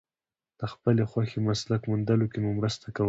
د خپلې خوښې مسلک موندلو کې مو مرسته کولای شي.